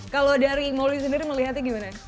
kalau dari mauli sendiri melihatnya gimana